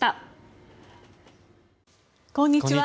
こんにちは。